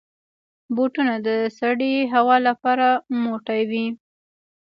بوټونه د سړې هوا لپاره موټی وي.